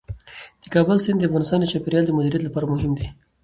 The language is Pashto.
د کابل سیند د افغانستان د چاپیریال د مدیریت لپاره مهم دي.